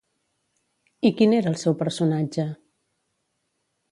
I quin era el seu personatge?